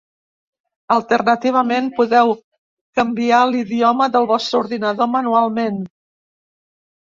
Alternativament, podeu canviar l’idioma del vostre ordinador manualment.